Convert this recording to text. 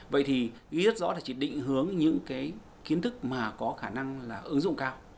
vậy thì ý rất rõ là chỉ định hướng những kiến thức mà có khả năng ứng dụng cao